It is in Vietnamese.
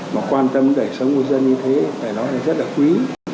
mà quan tâm đời sống của dân như thế phải nói là rất là quý